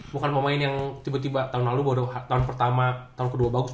bukan pemain yang tiba tiba tahun lalu baru tahun pertama tahun kedua bagus